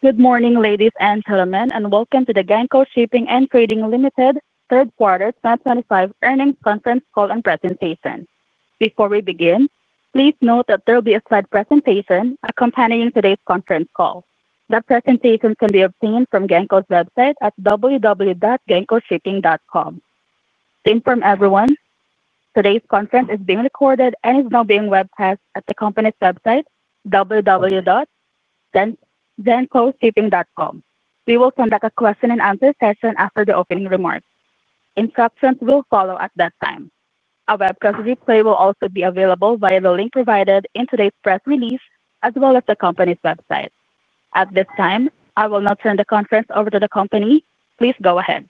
Good morning, ladies and gentlemen, and welcome to the Genco Shipping & Trading Limited third quarter 2025 earnings conference call and presentation. Before we begin, please note that there will be a slide presentation accompanying today's conference call. The presentation can be obtained from Genco's website at www.gencoshipping.com. To inform everyone, today's conference is being recorded and is now being webcast at the company's website www.gencoshipping.com. We will conduct a question-and-answer session after the opening remarks. Instructions will follow at that time. A webcast replay will also be available via the link provided in today's press release as well as the company's website. At this time, I will now turn the conference over to the company. Please go ahead.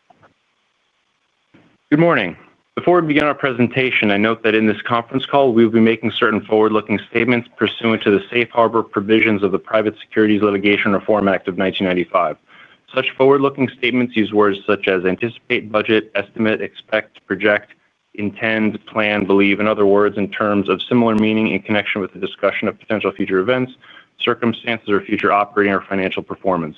Good morning. Before we begin our presentation, I note that in this conference call we will be making certain forward-looking statements pursuant to the safe harbor provisions of the Private Securities Litigation Reform Act of 1995. Such forward-looking statements use words such as anticipate, budget, estimate, expect, project, intend, plan, believe, in other words, in terms of similar meaning in connection with the discussion of potential future events, circumstances, or future operating or financial performance.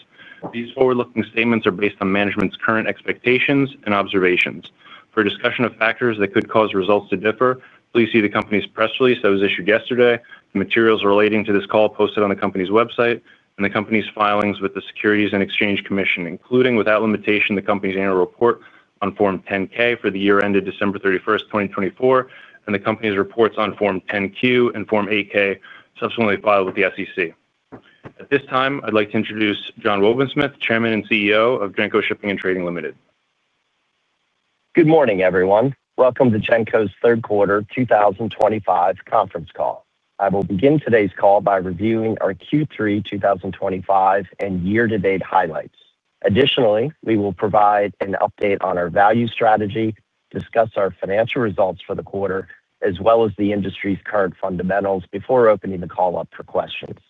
These forward-looking statements are based on management's current expectations and observations. For discussion of factors that could cause results to differ, please see the company's press release that was issued yesterday, the materials relating to this call posted on the company's website, and the company's filings with the Securities and Exchange Commission, including without limitation the company's annual report on Form 10-K for the year ended December 31st, 2024, and the company's reports on Form 10-Q and Form 8-K subsequently filed with the SEC. At this time, I'd like to introduce John Wobensmith, Chairman and CEO of Genco Shipping & Trading Limited. Good morning, everyone. Welcome to Genco's third quarter 2025 conference call. I will begin today's call by reviewing our Q3 2025 and year-to-date highlights. Additionally, we will provide an update on our value strategy, discuss our financial results for the quarter, as well as the industry's current fundamentals before opening the call up for questions.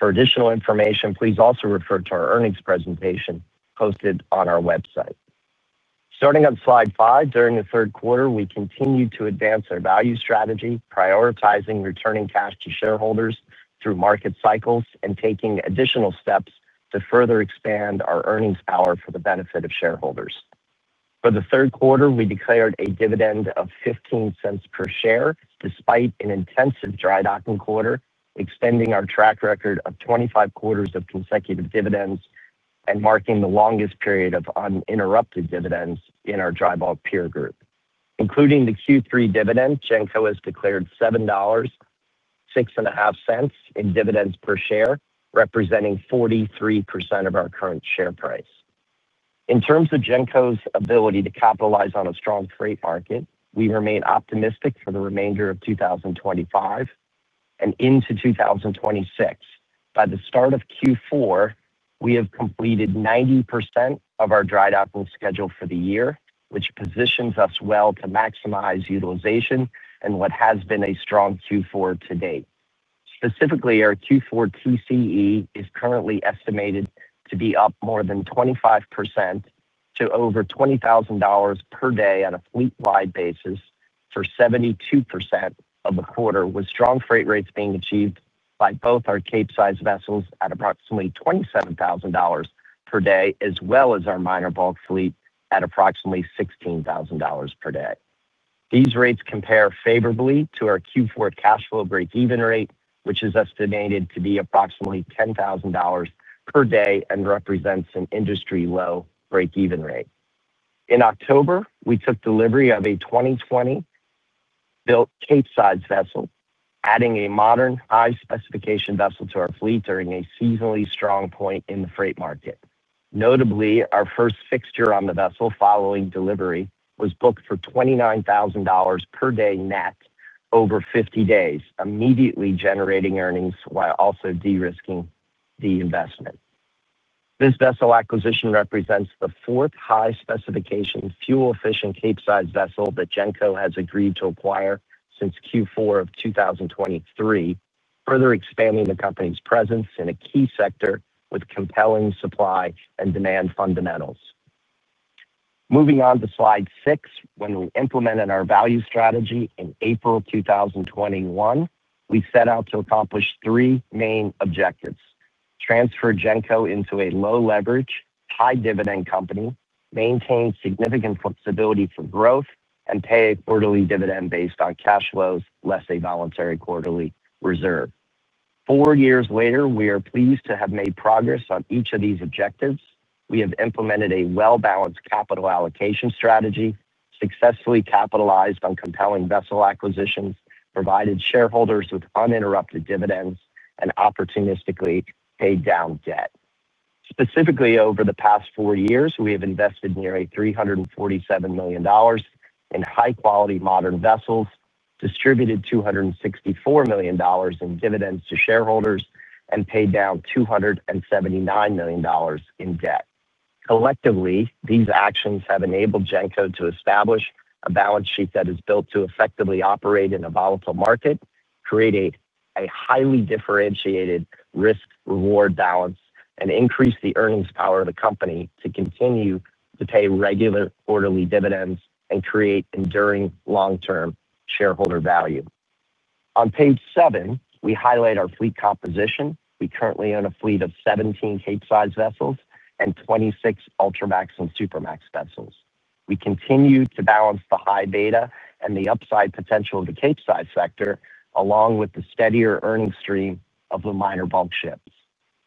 For additional information, please also refer to our earnings presentation posted on our website. Starting on slide five, during the third quarter, we continued to advance our value strategy, prioritizing returning cash to shareholders through market cycles and taking additional steps to further expand our earnings power for the benefit of shareholders. For the third quarter, we declared a dividend of $0.15 per share despite an intensive dry docking quarter, extending our track record of 25 quarters of consecutive dividends and marking the longest period of uninterrupted dividends in our dry dock peer group. Including the Q3 dividend, Genco has declared $7.65 in dividends per share, representing 43% of our current share price. In terms of Genco's ability to capitalize on a strong trade market, we remain optimistic for the remainder of 2025 and into 2026. By the start of Q4, we have completed 90% of our dry docking schedule for the year, which positions us well to maximize utilization in what has been a strong Q4 to date. Specifically, our Q4 TCE is currently estimated to be up more than 25% to over $20,000 per day on a fleet-wide basis for 72% of the quarter, with strong freight rates being achieved by both our Capesize vessels at approximately $27,000 per day, as well as our minor bulk fleet at approximately $16,000 per day. These rates compare favorably to our Q4 cash flow break-even rate, which is estimated to be approximately $10,000 per day and represents an industry-low break-even rate. In October, we took delivery of a 2020-built Capesize vessel, adding a modern high-specification vessel to our fleet during a seasonally strong point in the freight market. Notably, our first fixture on the vessel following delivery was booked for $29,000 per day net over 50 days, immediately generating earnings while also de-risking the investment. This vessel acquisition represents the fourth high-specification fuel-efficient Capesize vessel that Genco has agreed to acquire since Q4 of 2023, further expanding the company's presence in a key sector with compelling supply and demand fundamentals. Moving on to slide six, when we implemented our value strategy in April 2021, we set out to accomplish three main objectives: transfer Genco into a low-leverage, high-dividend company, maintain significant flexibility for growth, and pay a quarterly dividend based on cash flows, less a voluntary quarterly reserve. Four years later, we are pleased to have made progress on each of these objectives. We have implemented a well-balanced capital allocation strategy, successfully capitalized on compelling vessel acquisitions, provided shareholders with uninterrupted dividends, and opportunistically paid down debt. Specifically, over the past four years, we have invested nearly $347 million in high-quality modern vessels, distributed $264 million in dividends to shareholders, and paid down $279 million in debt. Collectively, these actions have enabled Genco to establish a balance sheet that is built to effectively operate in a volatile market, create a highly differentiated risk-reward balance, and increase the earnings power of the company to continue to pay regular quarterly dividends and create enduring long-term shareholder value. On page seven, we highlight our fleet composition. We currently own a fleet of 17 Capesize vessels and 26 Ultramax and Supramax vessels. We continue to balance the high beta and the upside potential of the Capesize sector, along with the steadier earnings stream of the minor bulk ships.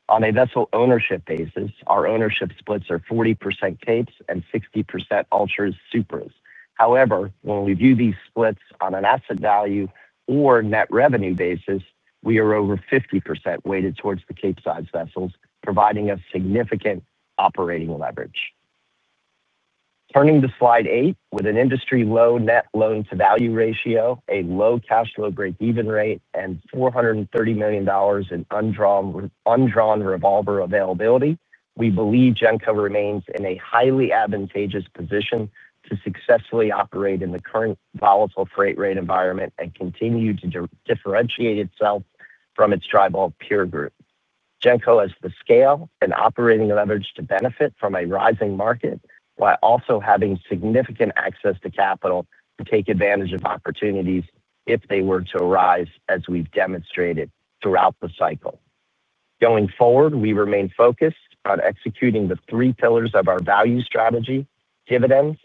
On a vessel ownership basis, our ownership splits are 40% Capes and 60% Ultras and Supras. However, when we view these splits on an asset value or net revenue basis, we are over 50% weighted towards the Capesize vessels, providing us significant operating leverage. Turning to slide eight, with an industry-low net loan-to-value ratio, a low cash flow break-even rate, and $430 million in undrawn revolver availability, we believe Genco remains in a highly advantageous position to successfully operate in the current volatile freight rate environment and continue to differentiate itself from its tribal peer group. Genco has the scale and operating leverage to benefit from a rising market while also having significant access to capital to take advantage of opportunities if they were to arise, as we've demonstrated throughout the cycle. Going forward, we remain focused on executing the three pillars of our value strategy: dividends,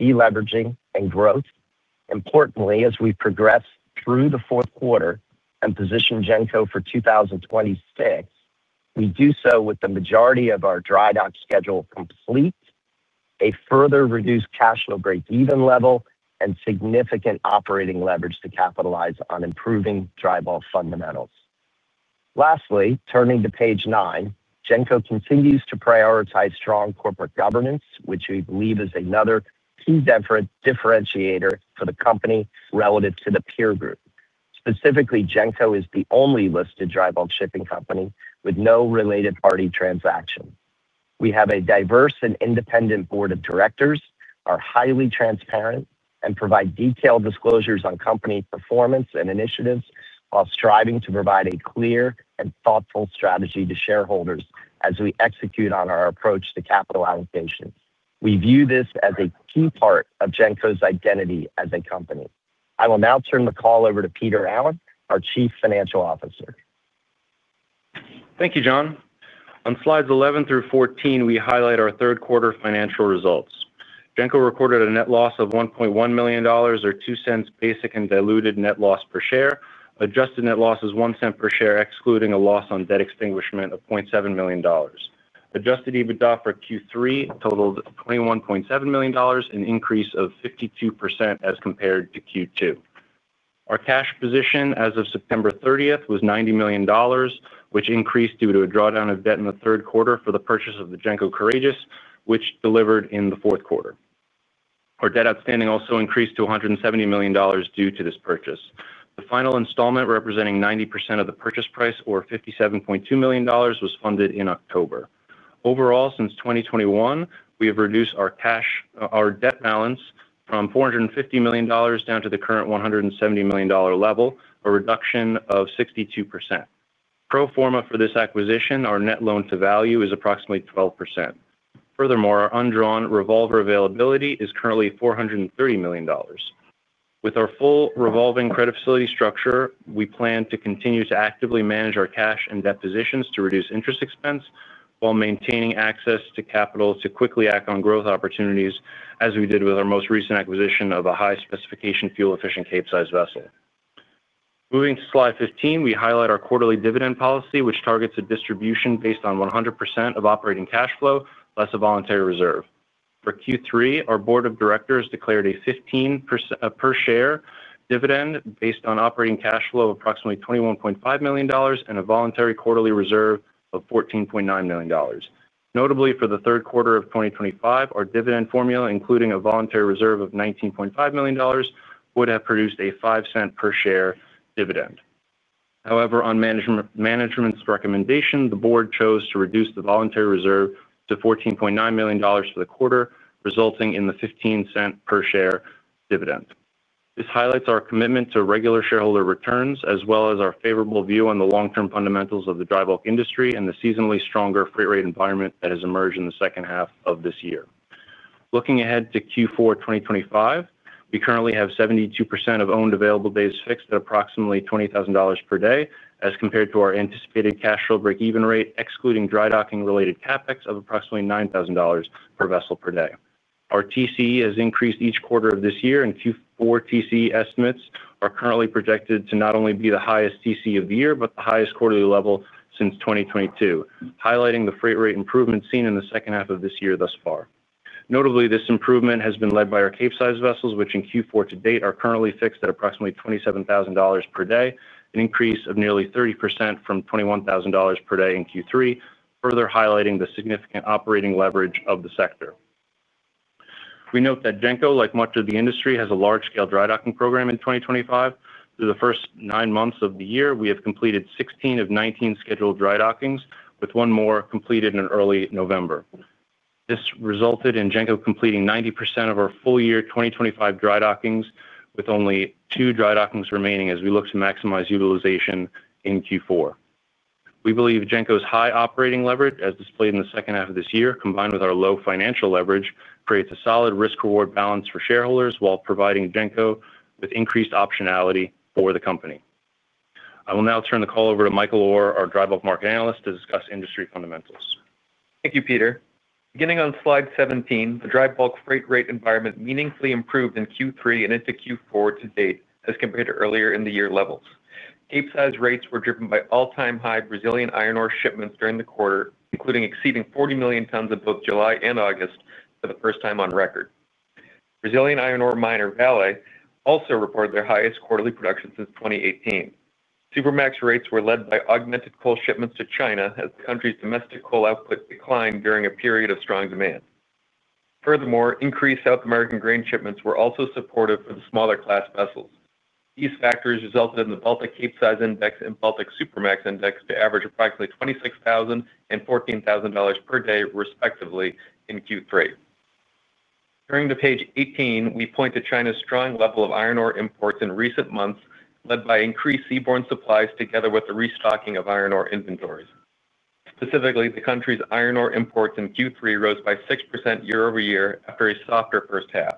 de-leveraging, and growth. Importantly, as we progress through the fourth quarter and position Genco for 2026, we do so with the majority of our dry dock schedule complete, a further reduced cash flow break-even level, and significant operating leverage to capitalize on improving dry bulk fundamentals. Lastly, turning to page nine, Genco continues to prioritize strong corporate governance, which we believe is another key differentiator for the company relative to the peer group. Specifically, Genco is the only listed dry bulk shipping company with no related party transaction. We have a diverse and independent board of directors, are highly transparent, and provide detailed disclosures on company performance and initiatives while striving to provide a clear and thoughtful strategy to shareholders as we execute on our approach to capital allocation. We view this as a key part of Genco's identity as a company. I will now turn the call over to Peter Allen, our Chief Financial Officer. Thank you, John. On slides 11 through 14, we highlight our third quarter financial results. Genco recorded a net loss of $1.1 million, or $0.02 basic and diluted net loss per share. Adjusted net loss is 1 cent per share, excluding a loss on debt extinguishment of $0.7 million. Adjusted EBITDA for Q3 totaled $21.7 million, an increase of 52% as compared to Q2. Our cash position as of September 30 was $90 million, which increased due to a drawdown of debt in the third quarter for the purchase of the Genco Courageous, which delivered in the fourth quarter. Our debt outstanding also increased to $170 million due to this purchase. The final installment, representing 90% of the purchase price, or $57.2 million, was funded in October. Overall, since 2021, we have reduced our debt balance from $450 million down to the current $170 million level, a reduction of 62%. Pro forma for this acquisition, our net loan-to-value is approximately 12%. Furthermore, our undrawn revolver availability is currently $430 million. With our full revolving credit facility structure, we plan to continue to actively manage our cash and depositions to reduce interest expense while maintaining access to capital to quickly act on growth opportunities, as we did with our most recent acquisition of a high-specification fuel-efficient Capesize vessel. Moving to slide 15, we highlight our quarterly dividend policy, which targets a distribution based on 100% of operating cash flow, less a voluntary reserve. For Q3, our board of directors declared a 15% per share dividend based on operating cash flow of approximately $21.5 million and a voluntary quarterly reserve of $14.9 million. Notably, for the third quarter of 2025, our dividend formula, including a voluntary reserve of $19.5 million, would have produced a $0.05 per share dividend. However, on management's recommendation, the board chose to reduce the voluntary reserve to $14.9 million for the quarter, resulting in the $0.15 per share dividend. This highlights our commitment to regular shareholder returns, as well as our favorable view on the long-term fundamentals of the dry bulk industry and the seasonally stronger freight rate environment that has emerged in the second half of this year. Looking ahead to Q4 2025, we currently have 72% of owned available days fixed at approximately $20,000 per day, as compared to our anticipated cash flow break-even rate, excluding dry docking-related CapEx of approximately $9,000 per vessel per day. Our TCE has increased each quarter of this year, and Q4 TCE estimates are currently projected to not only be the highest TCE of the year, but the highest quarterly level since 2022, highlighting the freight rate improvement seen in the second half of this year thus far. Notably, this improvement has been led by our Capesize vessels, which in Q4 to date are currently fixed at approximately $27,000 per day, an increase of nearly 30% from $21,000 per day in Q3, further highlighting the significant operating leverage of the sector. We note that Genco, like much of the industry, has a large-scale dry docking program in 2025. Through the first nine months of the year, we have completed 16 of 19 scheduled dry dockings, with one more completed in early November. This resulted in Genco completing 90% of our full-year 2025 dry dockings, with only two dry dockings remaining as we look to maximize utilization in Q4. We believe Genco's high operating leverage, as displayed in the second half of this year, combined with our low financial leverage, creates a solid risk-reward balance for shareholders while providing Genco with increased optionality for the company. I will now turn the call over to Michael Orr, our Dry Bulk Market Analyst, to discuss industry fundamentals. Thank you, Peter. Beginning on slide 17, the dry bulk freight rate environment meaningfully improved in Q3 and into Q4 to date as compared to earlier in the year levels. Capesize rates were driven by all-time high Brazilian iron ore shipments during the quarter, including exceeding 40 million tons in both July and August for the first time on record. Brazilian iron ore miner Vale also reported their highest quarterly production since 2018. Supramax rates were led by augmented coal shipments to China, as the country's domestic coal output declined during a period of strong demand. Furthermore, increased South American grain shipments were also supportive for the smaller class vessels. These factors resulted in the Baltic Capesize Index and Baltic Supramax Index to average approximately $26,000 and $14,000 per day, respectively, in Q3. Turning to page 18, we point to China's strong level of iron ore imports in recent months, led by increased seaborne supplies together with the restocking of iron ore inventories. Specifically, the country's iron ore imports in Q3 rose by 6% year-over-year after a softer first half.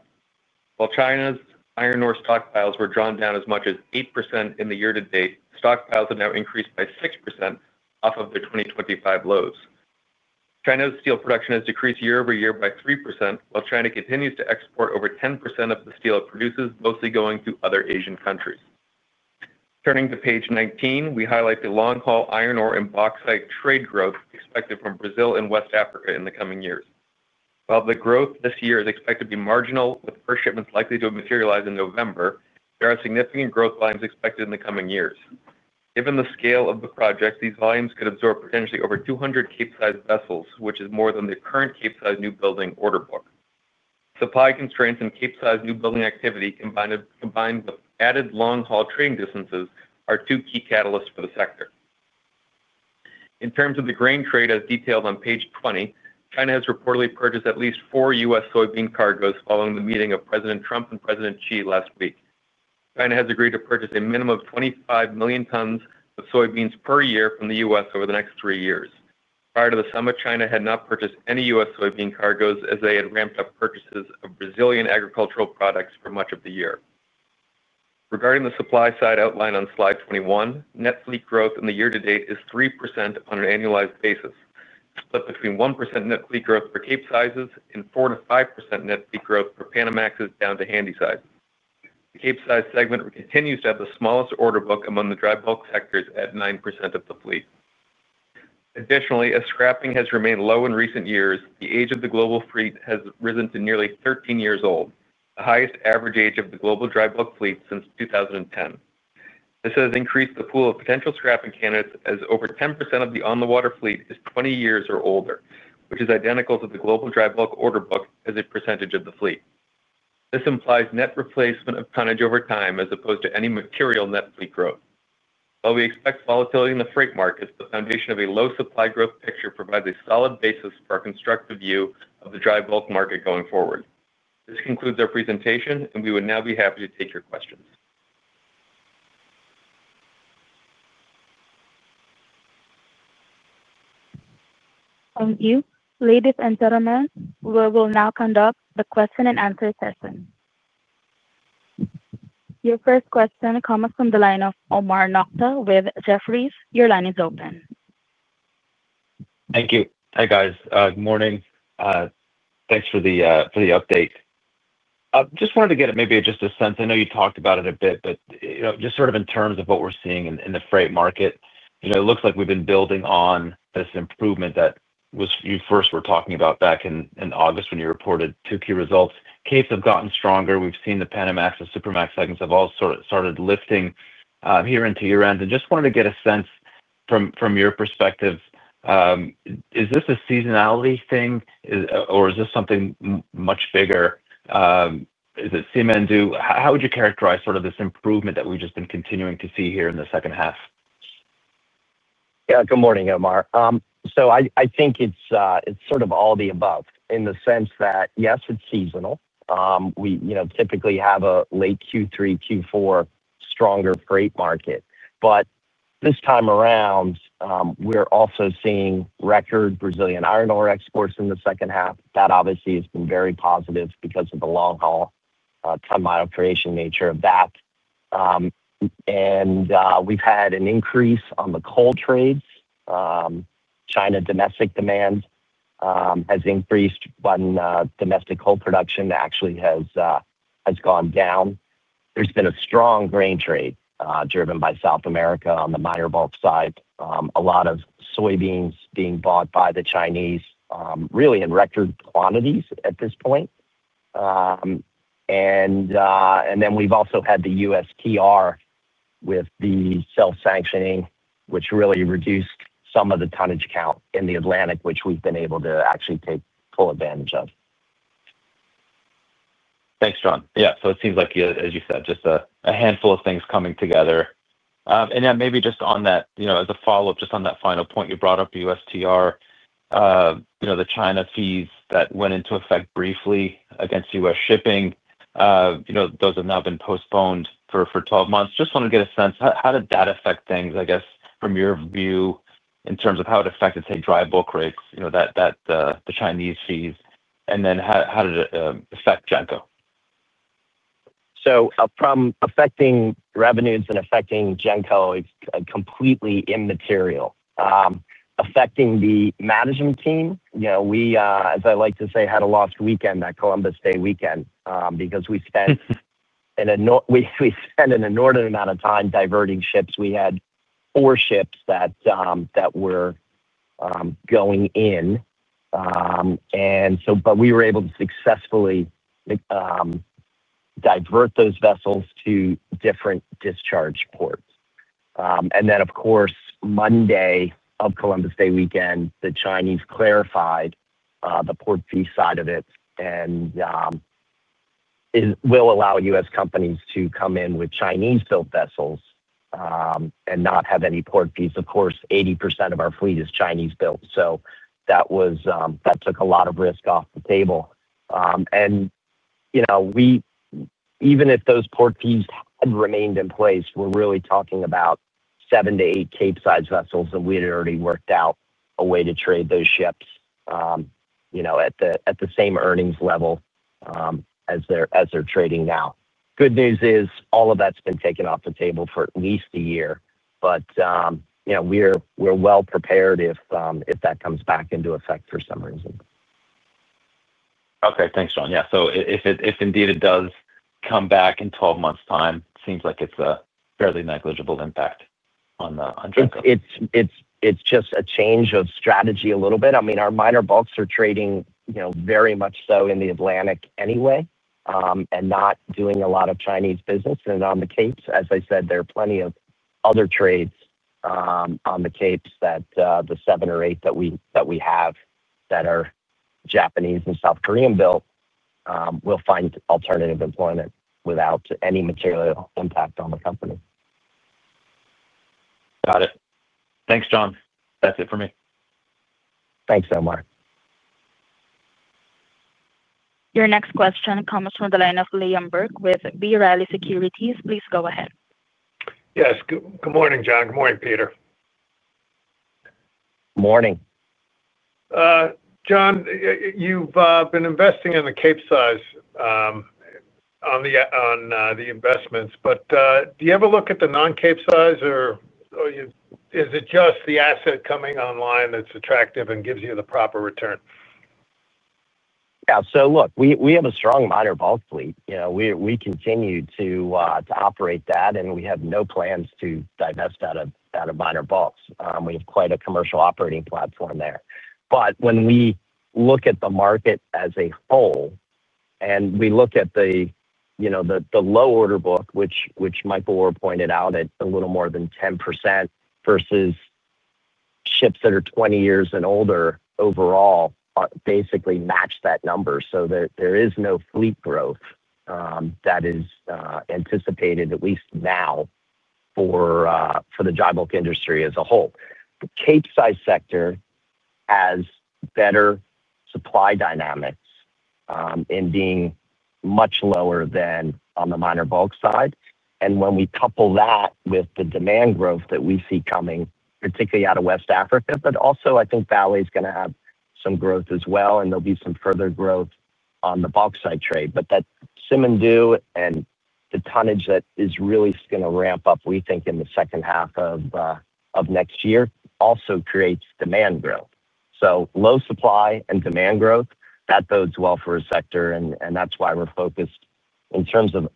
While China's iron ore stockpiles were drawn down as much as 8% in the year-to-date, stockpiles have now increased by 6% off of their 2023 lows. China's steel production has decreased year-over-year by 3%, while China continues to export over 10% of the steel it produces, mostly going to other Asian countries. Turning to page 19, we highlight the long-haul iron ore and bauxite trade growth expected from Brazil and West Africa in the coming years. While the growth this year is expected to be marginal, with first shipments likely to materialize in November, there are significant growth volumes expected in the coming years. Given the scale of the project, these volumes could absorb potentially over 200 Capesize vessels, which is more than the current Capesize new building order book. Supply constraints and Capesize new building activity, combined with added long-haul trading distances, are two key catalysts for the sector. In terms of the grain trade, as detailed on page 20, China has reportedly purchased at least four U.S. soybean cargoes following the meeting of President Trump and President Xi last week. China has agreed to purchase a minimum of 25 million tons of soybeans per year from the U.S. over the next three years. Prior to the summit, China had not purchased any U.S. soybean cargoes, as they had ramped up purchases of Brazilian agricultural products for much of the year. Regarding the supply side outlined on slide 21, net fleet growth in the year-to-date is 3% on an annualized basis, split between 1% net fleet growth for capesizes and 4%-5% net fleet growth for Panamaxes down to handy sizes. The capesize segment continues to have the smallest order book among the dry bulk sectors at 9% of the fleet. Additionally, as scrapping has remained low in recent years, the age of the global fleet has risen to nearly 13 years old, the highest average age of the global dry bulk fleet since 2010. This has increased the pool of potential scrapping candidates, as over 10% of the on-the-water fleet is 20 years or older, which is identical to the global dry bulk order book as a percentage of the fleet. This implies net replacement of tonnage over time, as opposed to any material net fleet growth. While we expect volatility in the freight markets, the foundation of a low supply growth picture provides a solid basis for our constructive view of the dry bulk market going forward. This concludes our presentation, and we would now be happy to take your questions. Thank you. Ladies and gentlemen, we will now conduct the question-and-answer session. Your first question comes from the line of Omar Nokta with Jefferies. Your line is open. Thank you. Hi, guys. Good morning. Thanks for the update. I just wanted to get maybe just a sense. I know you talked about it a bit, but just sort of in terms of what we're seeing in the freight market, it looks like we've been building on this improvement that you first were talking about back in August when you reported Q2 key results. Capes have gotten stronger. We've seen the Panamax and Supramax segments have all sort of started lifting here into year-end. I just wanted to get a sense from your perspective. Is this a seasonality thing, or is this something much bigger? Is it Simandou? How would you characterize sort of this improvement that we've just been continuing to see here in the second half? Yeah. Good morning, Omar. I think it's sort of all the above in the sense that, yes, it's seasonal. We typically have a late Q3, Q4 stronger freight market. This time around, we're also seeing record Brazilian iron ore exports in the second half. That obviously has been very positive because of the long-haul 10-mile creation nature of that. We've had an increase on the coal trades. China domestic demand has increased when domestic coal production actually has gone down. There's been a strong grain trade driven by South America on the minor bulk side, a lot of soybeans being bought by the Chinese, really in record quantities at this point. We've also had the USTR with the self-sanctioning, which really reduced some of the tonnage count in the Atlantic, which we've been able to actually take full advantage of. Thanks, John. Yeah. It seems like, as you said, just a handful of things coming together. Yeah, maybe just on that, as a follow-up, just on that final point you brought up, USTR. The China fees that went into effect briefly against U.S. shipping, those have now been postponed for 12 months. Just wanted to get a sense, how did that affect things, I guess, from your view in terms of how it affected, say, dry bulk rates, the Chinese fees, and then how did it affect Genco? From affecting revenues and affecting Genco, it's completely immaterial. Affecting the management team, we, as I like to say, had a lost weekend, that Columbus Day weekend, because we spent an inordinate amount of time diverting ships. We had four ships that were going in. We were able to successfully divert those vessels to different discharge ports. Of course, Monday of Columbus Day weekend, the Chinese clarified the port fee side of it and will allow U.S. companies to come in with Chinese-built vessels and not have any port fees. Of course, 80% of our fleet is Chinese-built. That took a lot of risk off the table. Even if those port fees had remained in place, we're really talking about seven to eight Capesize vessels, and we had already worked out a way to trade those ships at the same earnings level. As they're trading now. The good news is all of that's been taken off the table for at least a year. We are well prepared if that comes back into effect for some reason. Okay. Thanks, John. Yeah. So if indeed it does come back in 12 months' time, it seems like it's a fairly negligible impact on Genco. It's just a change of strategy a little bit. I mean, our minor bulks are trading very much so in the Atlantic anyway and not doing a lot of Chinese business. On the capes, as I said, there are plenty of other trades. On the capes, the seven or eight that we have that are Japanese and South Korean-built will find alternative employment without any material impact on the company. Got it. Thanks, John. That's it for me. Thanks, Omar. Your next question comes from the line of Liam Burke with B. Riley Securities. Please go ahead. Yes. Good morning, John. Good morning, Peter. Morning. John, you've been investing in the capesize. On the investments. Do you ever look at the non-capesize, or is it just the asset coming online that's attractive and gives you the proper return? Yeah. So look, we have a strong minor bulk fleet. We continue to operate that, and we have no plans to divest out of minor bulks. We have quite a commercial operating platform there. When we look at the market as a whole, and we look at the low order book, which Michael Orr pointed out at a little more than 10% versus ships that are 20 years and older overall basically match that number. There is no fleet growth that is anticipated at least now for the dry bulk industry as a whole. The Capesize sector has better supply dynamics in being much lower than on the minor bulk side. When we couple that with the demand growth that we see coming, particularly out of West Africa, I think Vale is going to have some growth as well, and there will be some further growth on the bulk side trade. That Simandou and the tonnage that is really going to ramp up, we think, in the second half of next year also creates demand growth. Low supply and demand growth bodes well for a sector, and that's why we're focused in terms of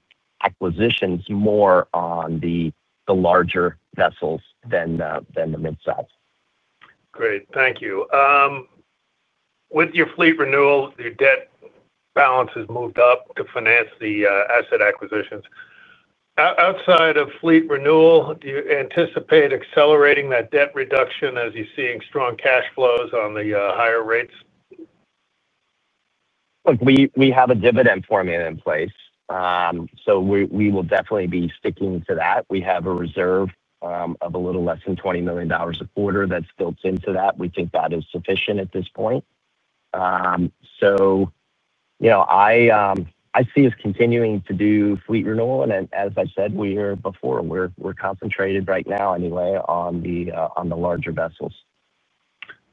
acquisitions more on the larger vessels than the mid-size. Great. Thank you. With your fleet renewal, your debt balance has moved up to finance the asset acquisitions. Outside of fleet renewal, do you anticipate accelerating that debt reduction as you see strong cash flows on the higher rates? Look, we have a dividend formula in place. We will definitely be sticking to that. We have a reserve of a little less than $20 million a quarter that's built into that. We think that is sufficient at this point. I see us continuing to do fleet renewal. As I said before, we're concentrated right now anyway on the larger vessels.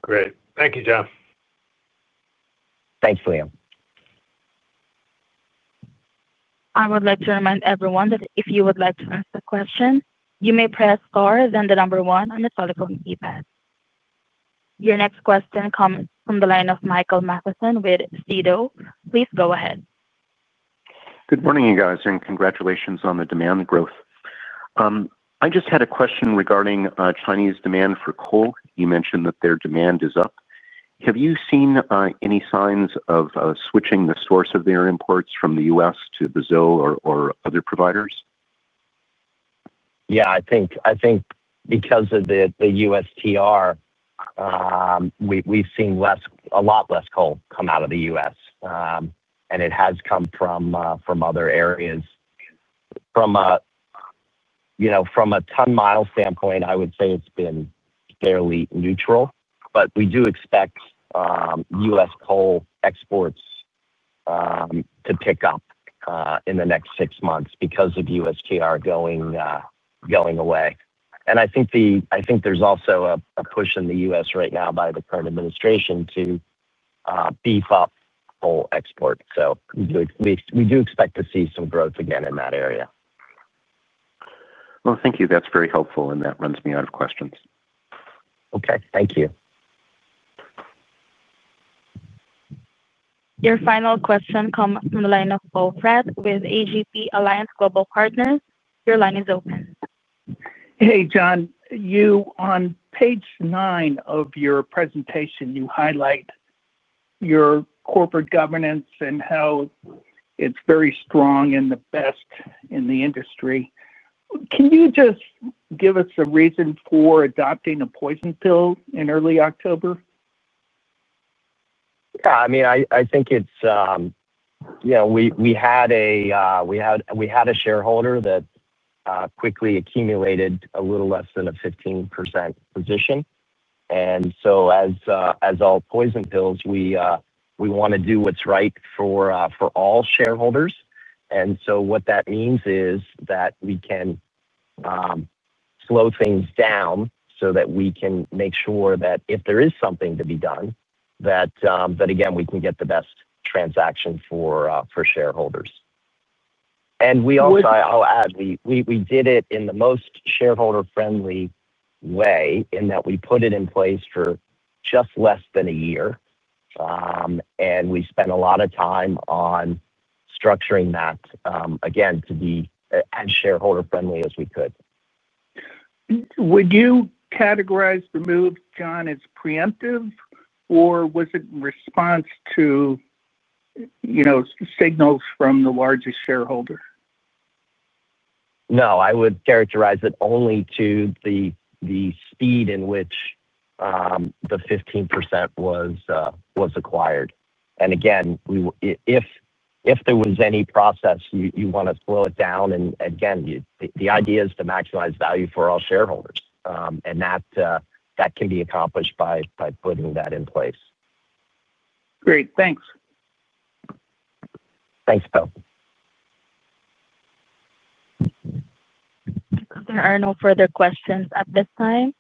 Great. Thank you, John. Thanks, Liam. I would like to remind everyone that if you would like to ask a question, you may press star and then the number one on the telephone keypad. Your next question comes from the line of Michael Masone with Citi. Please go ahead. Good morning, you guys, and congratulations on the demand growth. I just had a question regarding Chinese demand for coal. You mentioned that their demand is up. Have you seen any signs of switching the source of their imports from the U.S. to Brazil or other providers? Yeah. I think because of the USTR we've seen a lot less coal come out of the U.S. and it has come from other areas. From a ton-mile standpoint, I would say it's been fairly neutral. We do expect U.S. coal exports to pick up in the next six months because of USTR going away. I think there's also a push in the U.S. right now by the current administration to beef up coal exports. We do expect to see some growth again in that area. Thank you. That's very helpful, and that runs me out of questions. Okay. Thank you. Your final question comes from the line of Poe Fratt with A.G.P./Alliance Global Partners. Your line is open. Hey, John. On page nine of your presentation, you highlight your corporate governance and how it's very strong and the best in the industry. Can you just give us a reason for adopting a poison pill in early October? Yeah. I mean, I think it's. We had a shareholder that quickly accumulated a little less than a 15% position. As all poison pills, we want to do what's right for all shareholders. What that means is that we can slow things down so that we can make sure that if there is something to be done, that again, we can get the best transaction for shareholders. I'll add, we did it in the most shareholder-friendly way in that we put it in place for just less than a year. We spent a lot of time on structuring that, again, to be as shareholder-friendly as we could. Would you categorize the move, John, as preemptive, or was it in response to signals from the largest shareholder? No. I would characterize it only to the speed in which the 15% was acquired. If there was any process you want to slow it down, the idea is to maximize value for all shareholders. That can be accomplished by putting that in place. Great. Thanks. Thanks, Paul. There are no further questions at this time.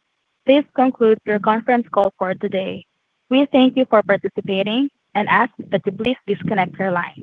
This concludes your conference call for today. We thank you for participating and ask that you please disconnect your lines.